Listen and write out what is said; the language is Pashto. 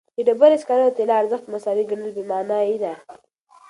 د ډبرې سکاره او طلا ارزښت مساوي ګڼل بېمعنایي ده.